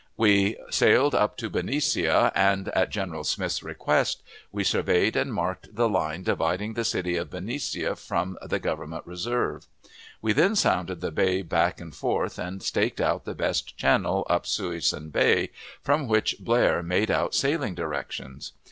We sailed up to Benicia, and, at General Smith's request, we surveyed and marked the line dividing the city of Benicia from the government reserve. We then sounded the bay back and forth, and staked out the best channel up Suisun Bay, from which Blair made out sailing directions.